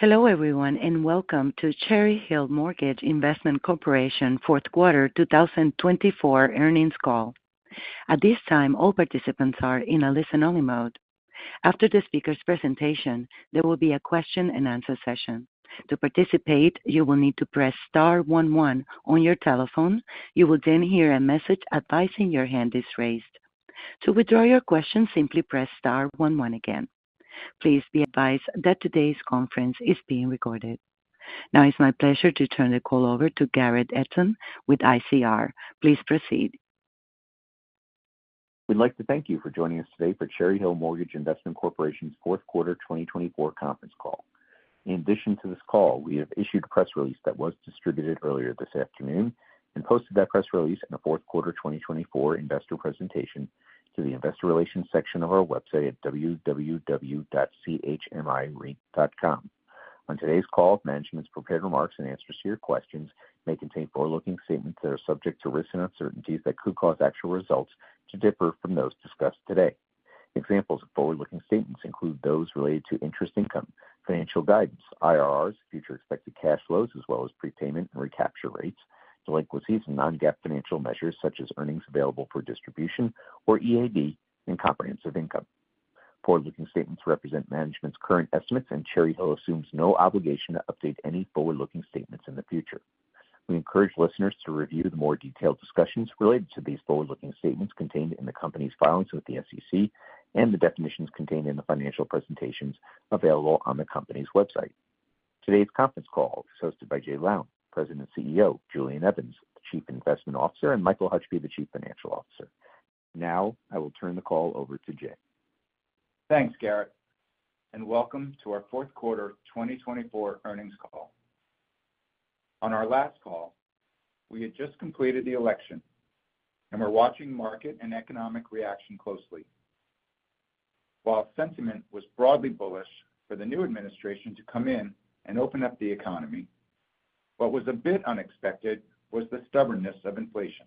Hello everyone and welcome to Cherry Hill Mortgage Investment Corporation Fourth Quarter 2024 earnings call. At this time, all participants are in a listen-only mode. After the speaker's presentation, there will be a question-and-answer session. To participate, you will need to press star 11 on your telephone. You will then hear a message advising your hand is raised. To withdraw your question, simply press star 11 again. Please be advised that today's conference is being recorded. Now, it's my pleasure to turn the call over to Garrett Edson with ICR. Please proceed. We'd like to thank you for joining us today for Cherry Hill Mortgage Investment Corporation's fourth quarter 2024 conference call. In addition to this call, we have issued a press release that was distributed earlier this afternoon and posted that press release in a fourth quarter 2024 investor presentation to the investor relations section of our website at www.chmire.com. On today's call, management has prepared remarks and answers to your questions. They contain forward-looking statements that are subject to risks and uncertainties that could cause actual results to differ from those discussed today. Examples of forward-looking statements include those related to interest income, financial guidance, IRRs, future expected cash flows, as well as prepayment and recapture rates, delinquencies, and non-GAAP financial measures such as earnings available for distribution or EAD and comprehensive income. Forward-looking statements represent management's current estimates, and Cherry Hill assumes no obligation to update any forward-looking statements in the future. We encourage listeners to review the more detailed discussions related to these forward-looking statements contained in the company's filings with the U.S. Securities and Exchange Commission and the definitions contained in the financial presentations available on the company's website. Today's conference call is hosted by Jay Lown, President and CEO, Julian Evans, the Chief Investment Officer, and Michael Hutchby, the Chief Financial Officer. Now, I will turn the call over to Jay. Thanks, Garrett, and welcome to our fourth quarter 2024 earnings call. On our last call, we had just completed the election, and we're watching market and economic reaction closely. While sentiment was broadly bullish for the new administration to come in and open up the economy, what was a bit unexpected was the stubbornness of inflation.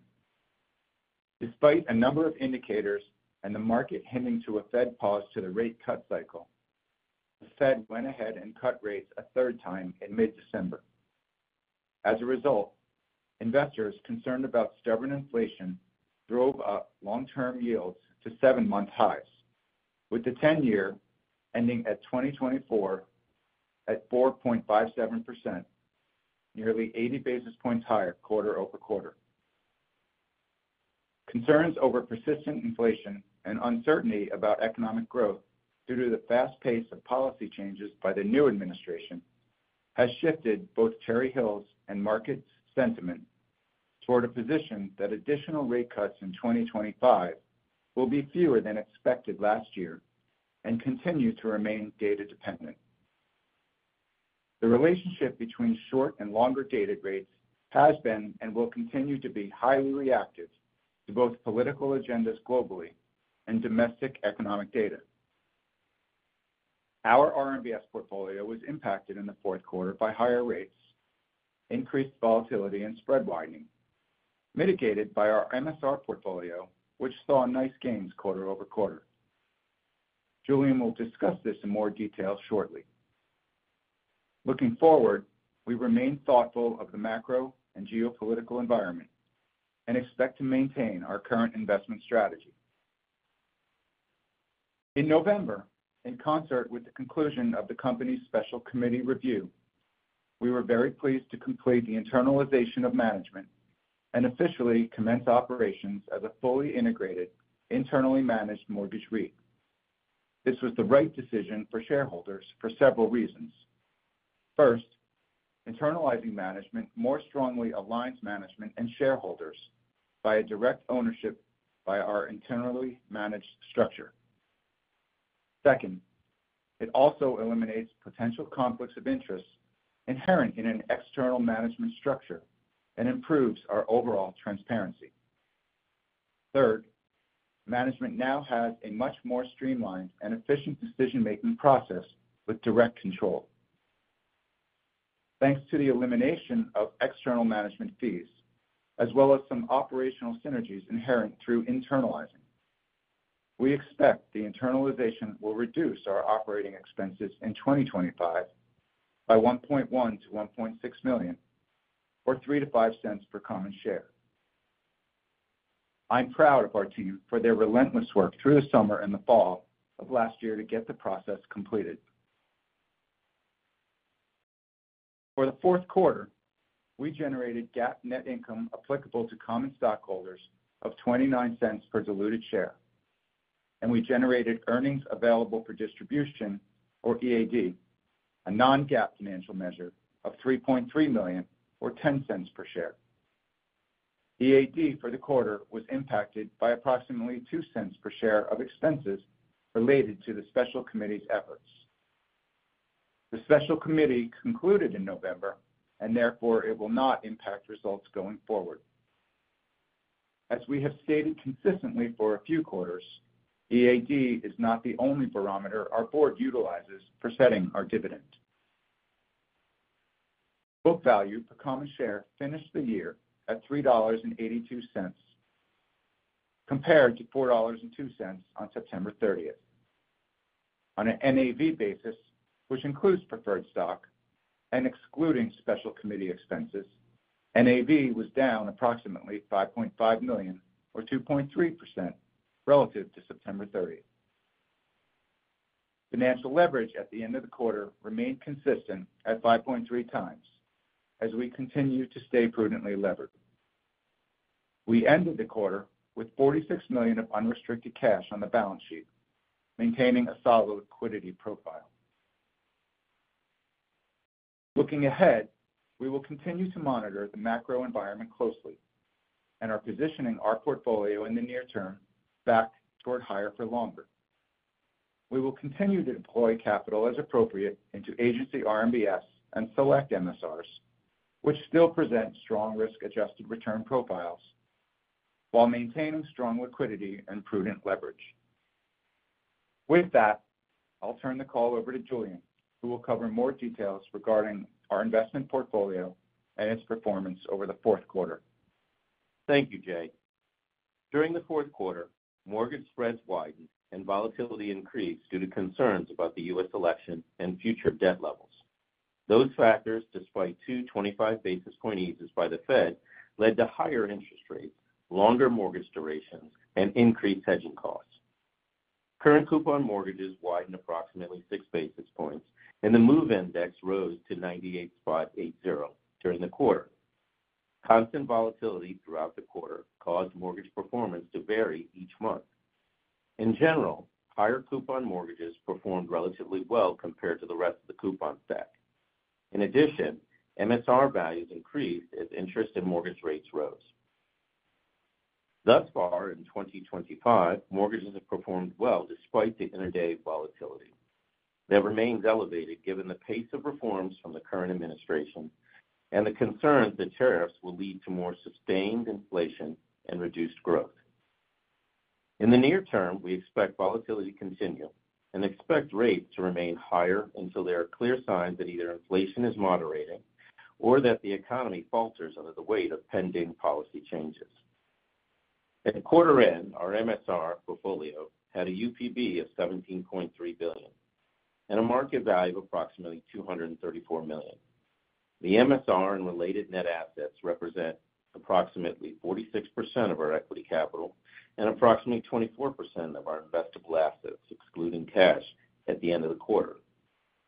Despite a number of indicators and the market hinting to a Fed pause to the rate cut cycle, the Fed went ahead and cut rates a third time in mid-December. As a result, investors concerned about stubborn inflation drove up long-term yields to seven-month highs, with the 10-year ending at 2024 at 4.57%, nearly 80 basis points higher quarter over quarter. Concerns over persistent inflation and uncertainty about economic growth due to the fast pace of policy changes by the new administration have shifted both Cherry Hill's and market's sentiment toward a position that additional rate cuts in 2025 will be fewer than expected last year and continue to remain data-dependent. The relationship between short and longer dated rates has been and will continue to be highly reactive to both political agendas globally and domestic economic data. Our RMBS portfolio was impacted in the fourth quarter by higher rates, increased volatility, and spread widening, mitigated by our MSR portfolio, which saw nice gains quarter over quarter. Julian will discuss this in more detail shortly. Looking forward, we remain thoughtful of the macro and geopolitical environment and expect to maintain our current investment strategy. In November, in concert with the conclusion of the company's special committee review, we were very pleased to complete the internalization of management and officially commence operations as a fully integrated, internally managed mortgage REIT. This was the right decision for shareholders for several reasons. First, internalizing management more strongly aligns management and shareholders by a direct ownership by our internally managed structure. Second, it also eliminates potential conflicts of interest inherent in an external management structure and improves our overall transparency. Third, management now has a much more streamlined and efficient decision-making process with direct control, thanks to the elimination of external management fees, as well as some operational synergies inherent through internalizing. We expect the internalization will reduce our operating expenses in 2025 by $1.1 million-$1.6 million, or $0.03-$0.05 per common share. I'm proud of our team for their relentless work through the summer and the fall of last year to get the process completed. For the fourth quarter, we generated GAAP net income applicable to common stockholders of $0.29 per diluted share, and we generated earnings available for distribution, or EAD, a non-GAAP financial measure of $3.3 million, or $0.10 per share. EAD for the quarter was impacted by approximately $0.02 per share of expenses related to the special committee's efforts. The special committee concluded in November, and therefore it will not impact results going forward. As we have stated consistently for a few quarters, EAD is not the only barometer our board utilizes for setting our dividend. Book value per common share finished the year at $3.82, compared to $4.02 on September 30th. On an NAV basis, which includes preferred stock and excluding special committee expenses, NAV was down approximately $5.5 million, or 2.3%, relative to September 30th. Financial leverage at the end of the quarter remained consistent at 5.3 times, as we continue to stay prudently levered. We ended the quarter with $46 million of unrestricted cash on the balance sheet, maintaining a solid liquidity profile. Looking ahead, we will continue to monitor the macro environment closely and are positioning our portfolio in the near term back toward higher for longer. We will continue to deploy capital as appropriate into agency RMBS and select MSRs, which still present strong risk-adjusted return profiles, while maintaining strong liquidity and prudent leverage. With that, I'll turn the call over to Julian, who will cover more details regarding our investment portfolio and its performance over the fourth quarter. Thank you, Jay. During the fourth quarter, mortgage spreads widened and volatility increased due to concerns about the U.S. election and future debt levels. Those factors, despite two 25 basis point eases by the Fed, led to higher interest rates, longer mortgage durations, and increased hedging costs. Current coupon mortgages widened approximately 6 basis points, and the MOVE Index rose to 98.80 during the quarter. Constant volatility throughout the quarter caused mortgage performance to vary each month. In general, higher coupon mortgages performed relatively well compared to the rest of the coupon stack. In addition, MSR values increased as interest and mortgage rates rose. Thus far, in 2025, mortgages have performed well despite the interday volatility. That remains elevated given the pace of reforms from the current administration and the concerns that tariffs will lead to more sustained inflation and reduced growth. In the near term, we expect volatility to continue and expect rates to remain higher until there are clear signs that either inflation is moderating or that the economy falters under the weight of pending policy changes. At quarter end, our MSR portfolio had a UPB of $17.3 billion and a market value of approximately $234 million. The MSR and related net assets represent approximately 46% of our equity capital and approximately 24% of our investable assets, excluding cash, at the end of the quarter.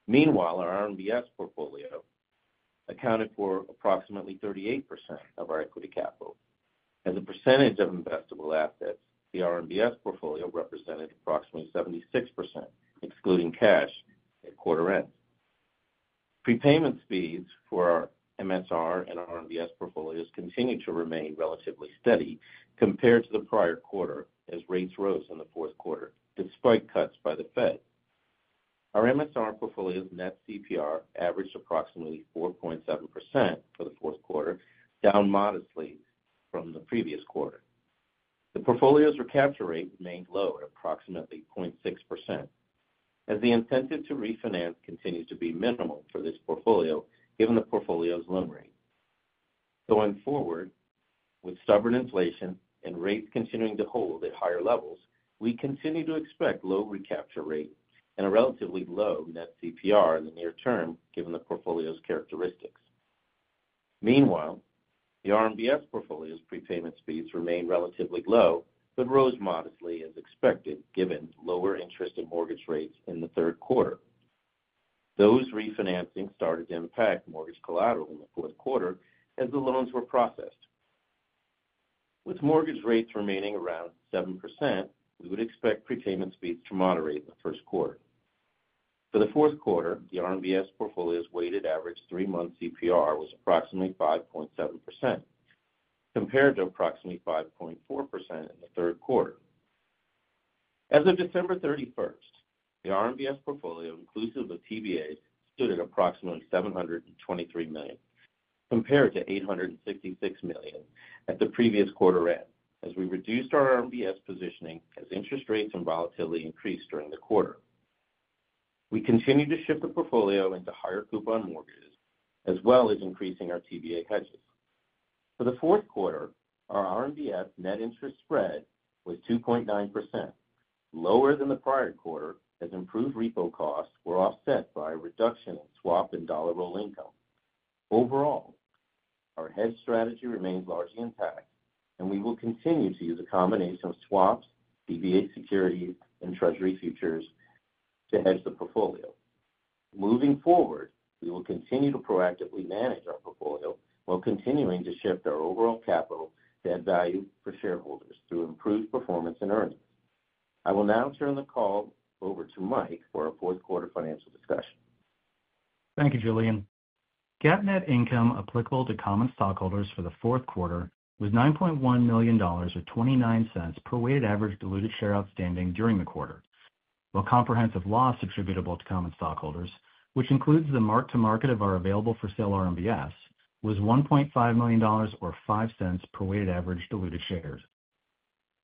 Meanwhile, our RMBS portfolio accounted for approximately 38% of our equity capital. As a percentage of investable assets, the RMBS portfolio represented approximately 76%, excluding cash, at quarter end. Prepayment speeds for our MSR and RMBS portfolios continued to remain relatively steady compared to the prior quarter as rates rose in the fourth quarter, despite cuts by the Fed. Our MSR portfolio's net CPR averaged approximately 4.7% for the fourth quarter, down modestly from the previous quarter. The portfolio's recapture rate remained low at approximately 0.6%, as the incentive to refinance continues to be minimal for this portfolio given the portfolio's loan rate. Going forward, with stubborn inflation and rates continuing to hold at higher levels, we continue to expect low recapture rate and a relatively low net CPR in the near term given the portfolio's characteristics. Meanwhile, the RMBS portfolio's prepayment speeds remained relatively low but rose modestly, as expected, given lower interest and mortgage rates in the third quarter. Those refinancing started to impact mortgage collateral in the fourth quarter as the loans were processed. With mortgage rates remaining around 7%, we would expect prepayment speeds to moderate in the first quarter. For the fourth quarter, the RMBS portfolio's weighted average three-month CPR was approximately 5.7%, compared to approximately 5.4% in the third quarter. As of December 31, the RMBS portfolio, inclusive of TBAs, stood at approximately $723 million, compared to $866 million at the previous quarter end, as we reduced our RMBS positioning as interest rates and volatility increased during the quarter. We continue to shift the portfolio into higher coupon mortgages, as well as increasing our TBA hedges. For the fourth quarter, our RMBS net interest spread was 2.9%, lower than the prior quarter as improved repo costs were offset by a reduction in swap and dollar roll income. Overall, our hedge strategy remains largely intact, and we will continue to use a combination of swaps, TBA securities, and Treasury futures to hedge the portfolio. Moving forward, we will continue to proactively manage our portfolio while continuing to shift our overall capital to add value for shareholders through improved performance and earnings. I will now turn the call over to Mike for our fourth quarter financial discussion. Thank you, Julian. GAAP net income applicable to common stockholders for the fourth quarter was $9.1 million, or $0.29 per weighted average diluted share outstanding during the quarter, while comprehensive loss attributable to common stockholders, which includes the mark-to-market of our available-for-sale RMBS, was $1.5 million, or $0.05 per weighted average diluted shares.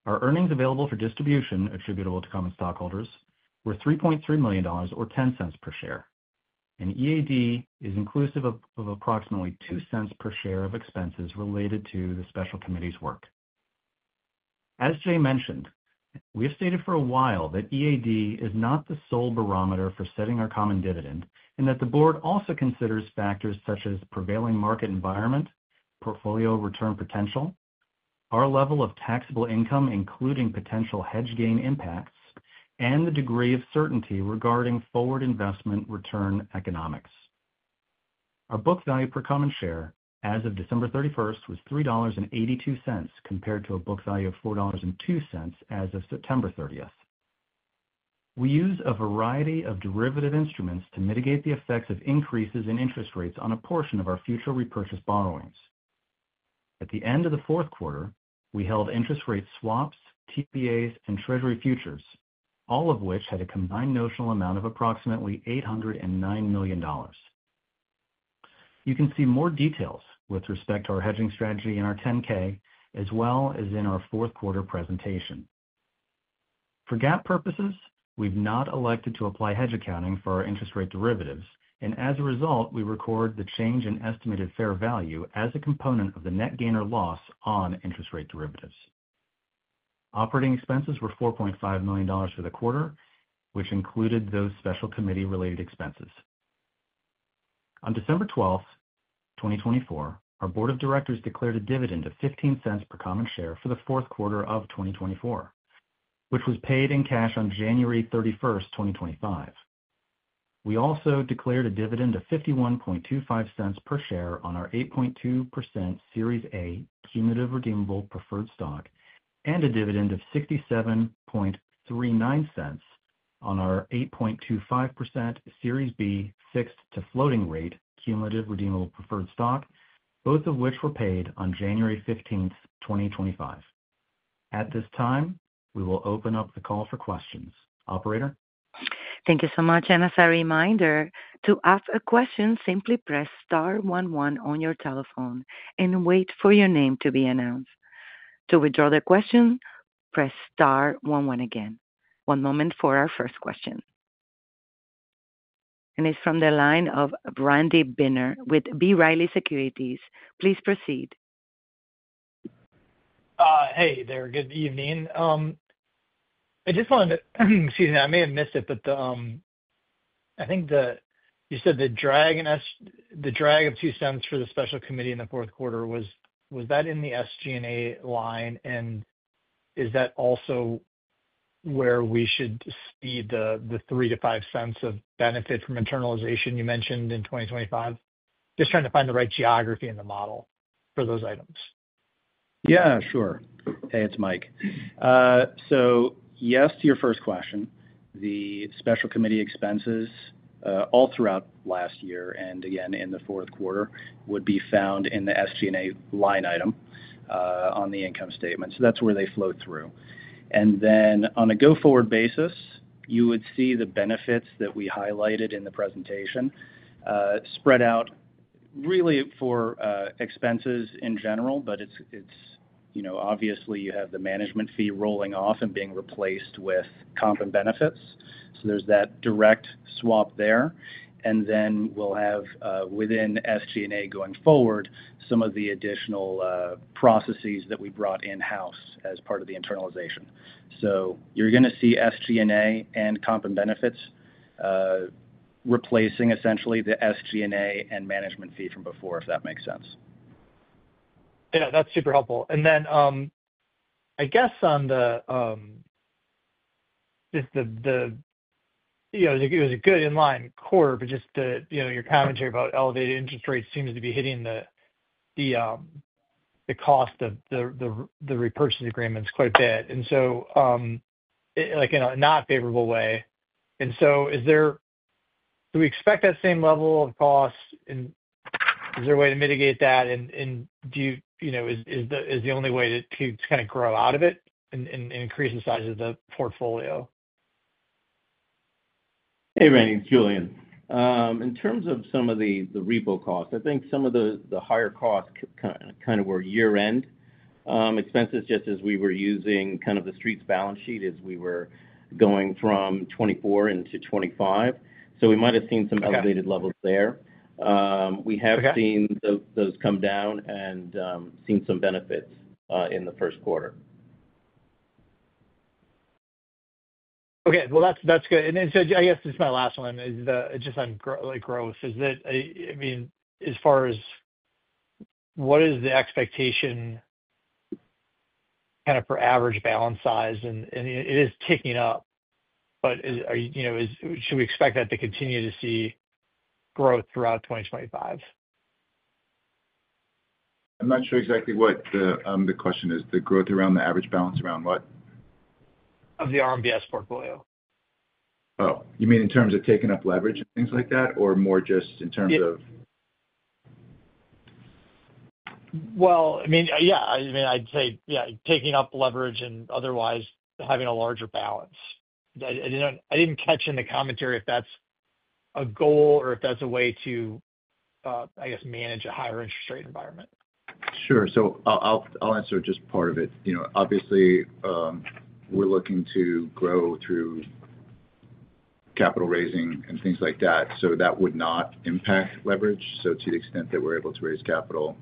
Our earnings available for distribution attributable to common stockholders were $3.3 million, or $0.10 per share. An EAD is inclusive of approximately $0.02 per share of expenses related to the special committee's work. As Jay mentioned, we have stated for a while that EAD is not the sole barometer for setting our common dividend and that the board also considers factors such as prevailing market environment, portfolio return potential, our level of taxable income, including potential hedge gain impacts, and the degree of certainty regarding forward investment return economics. Our book value per common share as of December 31st was $3.82 compared to a book value of $4.02 as of September 30th. We use a variety of derivative instruments to mitigate the effects of increases in interest rates on a portion of our future repurchase borrowings. At the end of the fourth quarter, we held interest rate swaps, TBAs, and Treasury futures, all of which had a combined notional amount of approximately $809 million. You can see more details with respect to our hedging strategy in our 10-K, as well as in our fourth quarter presentation. For GAAP purposes, we've not elected to apply hedge accounting for our interest rate derivatives, and as a result, we record the change in estimated fair value as a component of the net gain or loss on interest rate derivatives. Operating expenses were $4.5 million for the quarter, which included those special committee-related expenses. On December 12th, 2024, our board of directors declared a dividend of $0.15 per common share for the fourth quarter of 2024, which was paid in cash on January 31st, 2025. We also declared a dividend of $0.5125 per share on our 8.2% Series A cumulative redeemable preferred stock and a dividend of $0.6739 on our 8.25% Series B fixed-to-floating rate cumulative redeemable preferred stock, both of which were paid on January 15th, 2025. At this time, we will open up the call for questions. Operator. Thank you so much. As a reminder, to ask a question, simply press star 11 on your telephone and wait for your name to be announced. To withdraw the question, press star one one again. One moment for our first question. It is from the line of Randy Binner with B Riley Securities. Please proceed. Hey there. Good evening. I just wanted to, excuse me, I may have missed it, but I think you said the drag of $0.02 for the special committee in the fourth quarter, was that in the SG&A line? Is that also where we should see the $0.03-$0.05 of benefit from internalization you mentioned in 2025? Just trying to find the right geography in the model for those items. Yeah, sure. Hey, it's Mike. Yes to your first question. The special committee expenses all throughout last year and again in the fourth quarter would be found in the SG&A line item on the income statement. That's where they flow through. On a go-forward basis, you would see the benefits that we highlighted in the presentation spread out really for expenses in general, but obviously you have the management fee rolling off and being replaced with comp and benefits. There's that direct swap there. We'll have within SG&A going forward some of the additional processes that we brought in-house as part of the internalization. You're going to see SG&A and comp and benefits replacing essentially the SG&A and management fee from before, if that makes sense. Yeah, that's super helpful. I guess on the, it was a good in line quarter, but just your commentary about elevated interest rates seems to be hitting the cost of the repurchase agreements quite a bit. In a not favorable way, do we expect that same level of cost? Is there a way to mitigate that? Is the only way to kind of grow out of it and increase the size of the portfolio? Hey, Randy, it's Julian. In terms of some of the repo costs, I think some of the higher costs kind of were year-end expenses, just as we were using kind of the street's balance sheet as we were going from 2024 into 2025. We might have seen some elevated levels there. We have seen those come down and seen some benefits in the first quarter. Okay. That is good. I guess this is my last one, just on growth. I mean, as far as what is the expectation kind of for average balance size? It is ticking up, but should we expect that to continue to see growth throughout 2025? I'm not sure exactly what the question is. The growth around the average balance around what? Of the RMBS portfolio. Oh, you mean in terms of taking up leverage and things like that, or more just in terms of? I mean, yeah. I mean, I'd say, yeah, taking up leverage and otherwise having a larger balance. I didn't catch in the commentary if that's a goal or if that's a way to, I guess, manage a higher interest rate environment. Sure. I'll answer just part of it. Obviously, we're looking to grow through capital raising and things like that, so that would not impact leverage. To the extent that we're able to raise capital,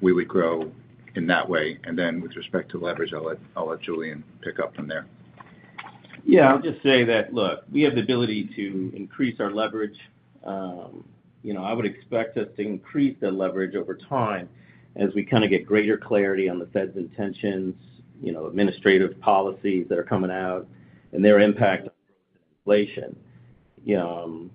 we would grow in that way. With respect to leverage, I'll let Julian pick up from there. Yeah. I'll just say that, look, we have the ability to increase our leverage. I would expect us to increase the leverage over time as we kind of get greater clarity on the Fed's intentions, administrative policies that are coming out, and their impact on growth and inflation.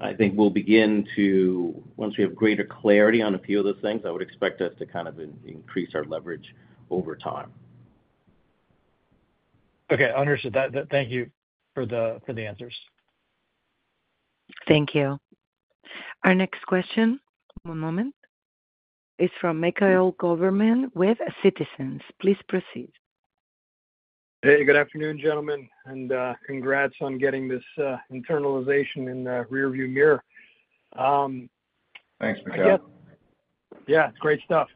I think we'll begin to, once we have greater clarity on a few of those things, I would expect us to kind of increase our leverage over time. Okay. Understood. Thank you for the answers. Thank you. Our next question, one moment, is from Mikhail Goberman with Citizens. Please proceed. Hey, good afternoon, gentlemen, and congrats on getting this internalization in the rearview mirror. Thanks, Mikhail. Yeah, it's great stuff.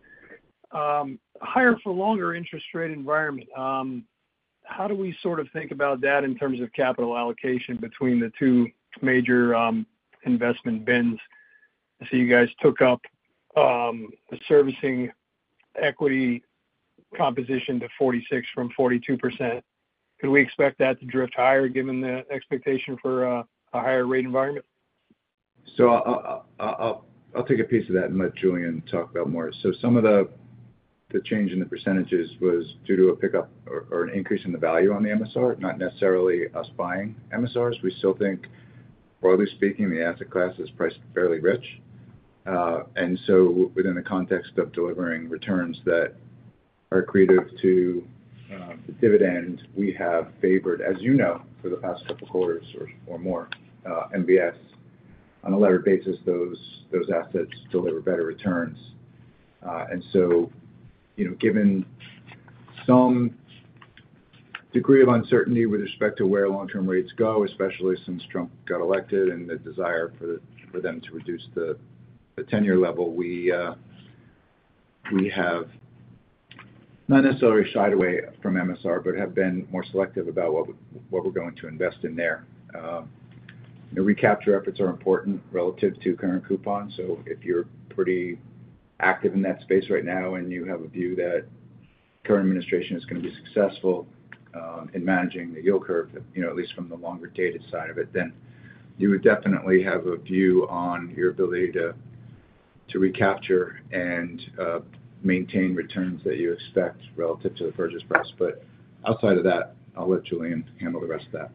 Higher-for-longer interest rate environment. How do we sort of think about that in terms of capital allocation between the two major investment bins? I see you guys took up the servicing equity composition to 46% from 42%. Could we expect that to drift higher given the expectation for a higher rate environment? I'll take a piece of that and let Julian talk about more. Some of the change in the percentages was due to a pickup or an increase in the value on the MSR, not necessarily us buying MSRs. We still think, broadly speaking, the asset class is priced fairly rich. And so within the context of delivering returns that are accretive to dividend, we have favored, as you know, for the past couple of quarters or more, MBS. On a levered basis, those assets deliver better returns. And so given some degree of uncertainty with respect to where long-term rates go, especially since Trump got elected and the desire for them to reduce the 10-year level, we have not necessarily shied away from MSR, but have been more selective about what we're going to invest in there. Recapture efforts are important relative to current coupons. If you're pretty active in that space right now and you have a view that the current administration is going to be successful in managing the yield curve, at least from the longer-dated side of it, then you would definitely have a view on your ability to recapture and maintain returns that you expect relative to the purchase price. Outside of that, I'll let Julian handle the rest of that.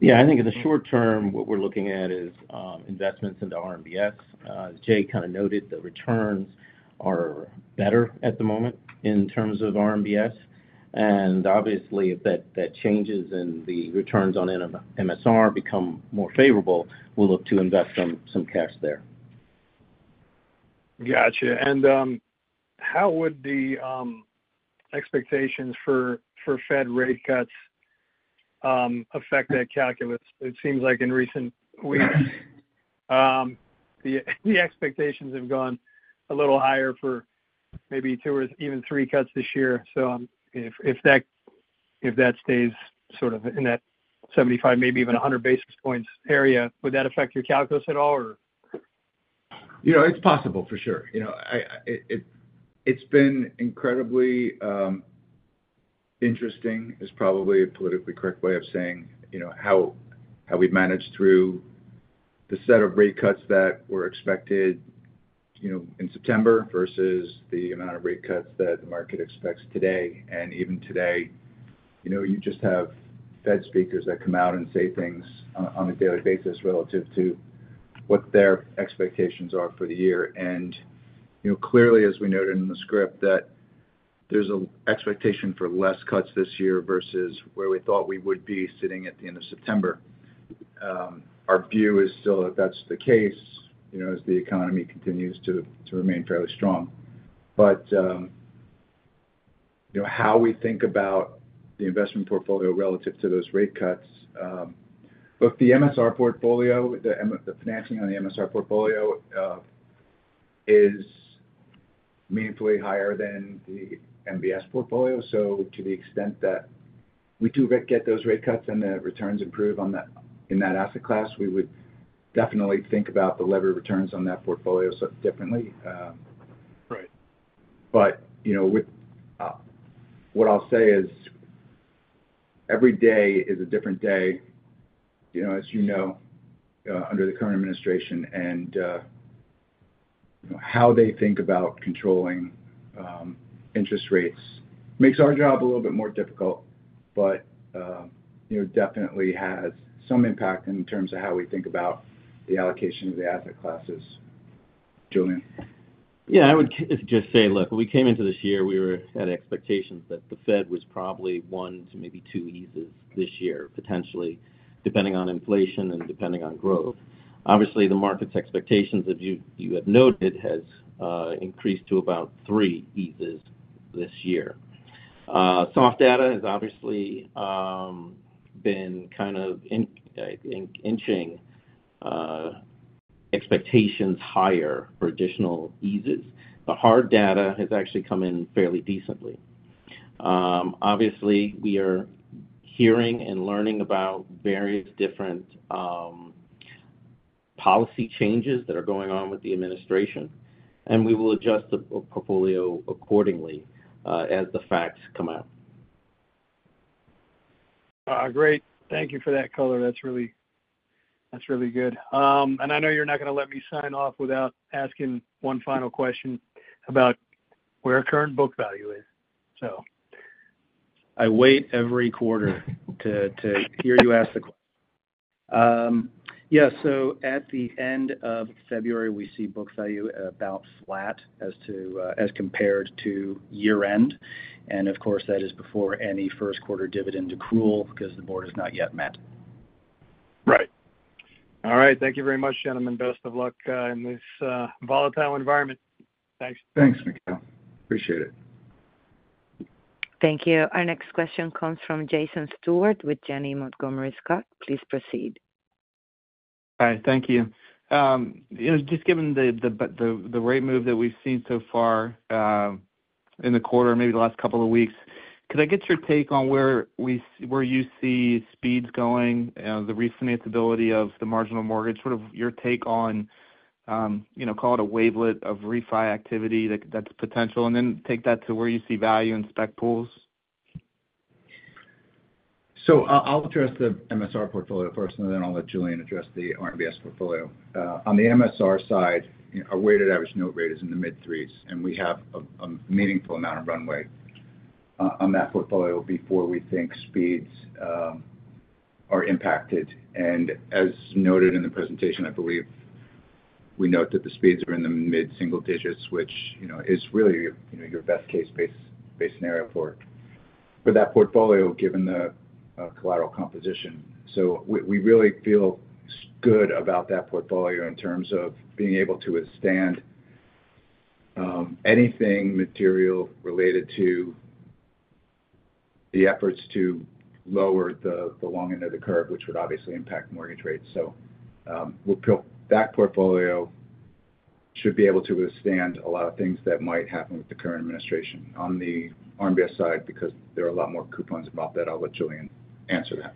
Yeah. I think in the short term, what we're looking at is investments into RMBS. As Jay kind of noted, the returns are better at the moment in terms of RMBS. Obviously, if that changes and the returns on MSR become more favorable, we'll look to invest some cash there. Gotcha. How would the expectations for Fed rate cuts affect that calculus? It seems like in recent weeks, the expectations have gone a little higher for maybe two or even three cuts this year. If that stays sort of in that 75, maybe even 100 basis points area, would that affect your calculus at all, or? It's possible, for sure. It's been incredibly interesting, is probably a politically correct way of saying how we've managed through the set of rate cuts that were expected in September versus the amount of rate cuts that the market expects today. Even today, you just have Fed speakers that come out and say things on a daily basis relative to what their expectations are for the year. Clearly, as we noted in the script, that there's an expectation for less cuts this year versus where we thought we would be sitting at the end of September. Our view is still that that's the case as the economy continues to remain fairly strong. How we think about the investment portfolio relative to those rate cuts, look, the MSR portfolio, the financing on the MSR portfolio is meaningfully higher than the MBS portfolio. To the extent that we do get those rate cuts and the returns improve in that asset class, we would definitely think about the levered returns on that portfolio differently. What I'll say is every day is a different day, as you know, under the current administration. How they think about controlling interest rates makes our job a little bit more difficult, but definitely has some impact in terms of how we think about the allocation of the asset classes. Julian. Yeah. I would just say, look, when we came into this year, we were at expectations that the Fed was probably one to maybe two eases this year, potentially, depending on inflation and depending on growth. Obviously, the market's expectations, as you have noted, has increased to about three eases this year. Soft data has obviously been kind of inching expectations higher for additional eases. The hard data has actually come in fairly decently. Obviously, we are hearing and learning about various different policy changes that are going on with the administration, and we will adjust the portfolio accordingly as the facts come out. Great. Thank you for that, color. That's really good. I know you're not going to let me sign off without asking one final question about where current book value is, so. I wait every quarter to hear you ask the question. Yeah. At the end of February, we see book value about flat as compared to year-end. Of course, that is before any first-quarter dividend accrual because the board has not yet met. Right. All right. Thank you very much, gentlemen. Best of luck in this volatile environment. Thanks. Thanks, Mikhail. Appreciate it. Thank you. Our next question comes from Jason Stewart with Janney Montgomery Scott. Please proceed. Hi. Thank you. Just given the rate move that we've seen so far in the quarter, maybe the last couple of weeks, could I get your take on where you see speeds going, the refinanceability of the marginal mortgage, sort of your take on, call it a wavelet of refi activity that's potential, and then take that to where you see value in spec pools? I'll address the MSR portfolio first, and then I'll let Julian address the RMBS portfolio. On the MSR side, our weighted average note rate is in the mid-threes, and we have a meaningful amount of runway on that portfolio before we think speeds are impacted. As noted in the presentation, I believe we note that the speeds are in the mid-single digits, which is really your best case-based scenario for that portfolio given the collateral composition. We really feel good about that portfolio in terms of being able to withstand anything material related to the efforts to lower the long end of the curve, which would obviously impact mortgage rates. That portfolio should be able to withstand a lot of things that might happen with the current administration. On the RMBS side, because there are a lot more coupons involved, I'll let Julian answer that.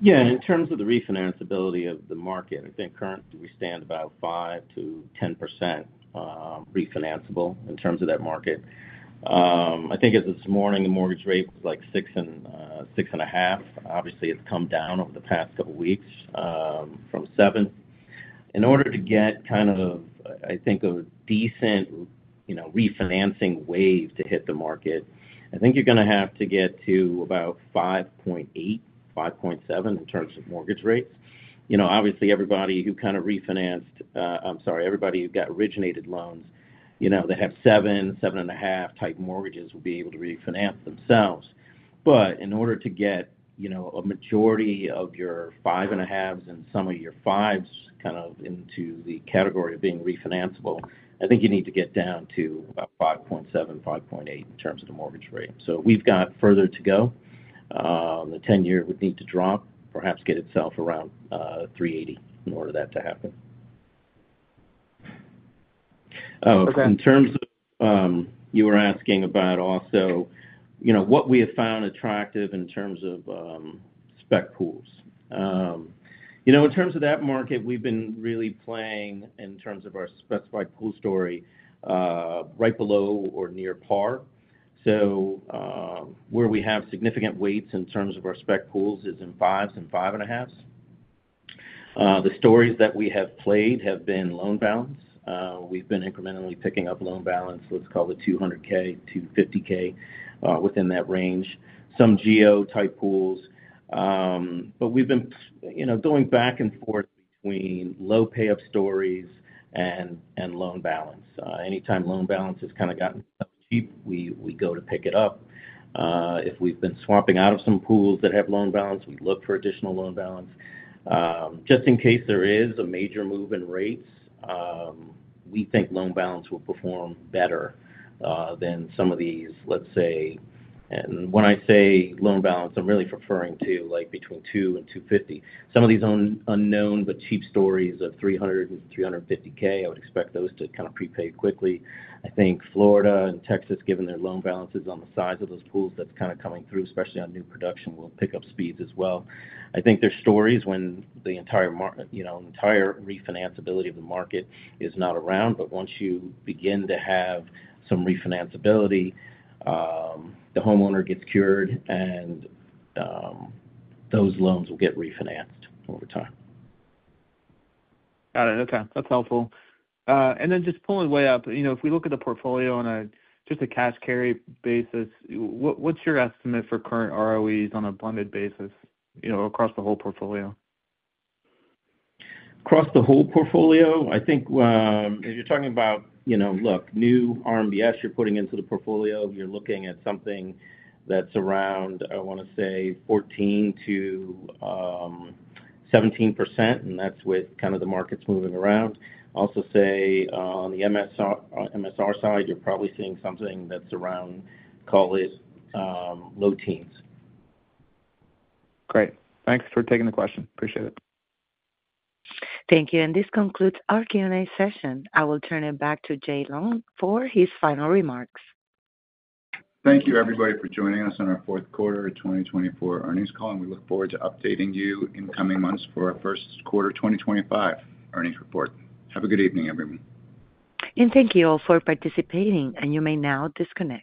Yeah. In terms of the refinanceability of the market, I think currently we stand about 5%-10% refinanceable in terms of that market. I think as of this morning, the mortgage rate was like six and 6.5. Obviously, it's come down over the past couple of weeks from seven. In order to get kind of, I think, a decent refinancing wave to hit the market, I think you're going to have to get to about 5.8, 5.7 in terms of mortgage rates. Obviously, everybody who kind of refinanced—I'm sorry, everybody who got originated loans—they have 7, 7.5 type mortgages will be able to refinance themselves. In order to get a majority of your five and a halves and some of your fives kind of into the category of being refinanceable, I think you need to get down to about 5.7, 5.8 in terms of the mortgage rate. We have further to go. The 10-year would need to drop, perhaps get itself around 380 in order for that to happen. Oh, in terms of you were asking about also what we have found attractive in terms of spec pools. In terms of that market, we have been really playing in terms of our specified pool story right below or near par. Where we have significant weights in terms of our spec pools is in fives and five and a halves. The stories that we have played have been loan balance. We've been incrementally picking up loan balance, let's call it $200,000-$250,000 within that range, some Geo-type pools. We've been going back and forth between low payoff stories and loan balance. Anytime loan balance has kind of gotten cheap, we go to pick it up. If we've been swapping out of some pools that have loan balance, we look for additional loan balance. Just in case there is a major move in rates, we think loan balance will perform better than some of these, let's say—when I say loan balance, I'm really referring to between $200,000 and $250,000. Some of these unknown but cheap stories of $300,000 and $350,000, I would expect those to kind of prepay quickly. I think Florida and Texas, given their loan balances on the size of those pools, that's kind of coming through, especially on new production, will pick up speeds as well. I think there's stories when the entire refinanceability of the market is not around, but once you begin to have some refinanceability, the homeowner gets cured, and those loans will get refinanced over time. Got it. Okay. That's helpful. Just pulling way up, if we look at the portfolio on a just a cash carry basis, what's your estimate for current ROEs on a blended basis across the whole portfolio? Across the whole portfolio, I think if you're talking about, look, new RMBS you're putting into the portfolio, you're looking at something that's around, I want to say, 14%-17%, and that's with kind of the markets moving around. I'll also say on the MSR side, you're probably seeing something that's around, call it, low teens. Great. Thanks for taking the question. Appreciate it. Thank you. This concludes our Q&A session. I will turn it back to Jay Lown for his final remarks. Thank you, everybody, for joining us on our fourth quarter 2024 earnings call. We look forward to updating you in coming months for our first quarter 2025 earnings report. Have a good evening, everyone. Thank you all for participating, and you may now disconnect.